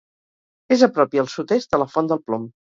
És a prop i al sud-est de la Font del Plom.